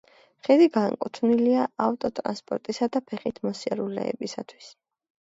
ხიდი განკუთვნილია ავტოტრანსპორტისა და ფეხით მოსიარულეებისათვის.